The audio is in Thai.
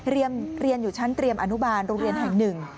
เรียนอยู่ชั้นเตรียมอนุบาลโรงเรียนแห่งหนึ่ง